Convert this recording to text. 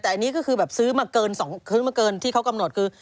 แต่อันนี้ก็คือซื้อมาเกินที่เขากำหนดคือ